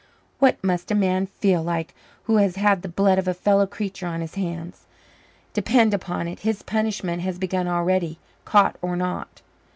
"What must a man feel like who has the blood of a fellow creature on his hands? Depend upon it, his punishment has begun already, caught or not."